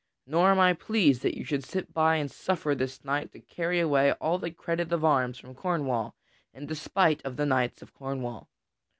Nor am I pleased that you should sit by and suffer this knight to carry away all the credit of arms from Cornwall in despite of the knights of Cornwall.